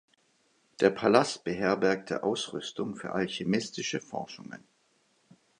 Der Palast beherbergte Ausrüstung für alchemistische Forschungen.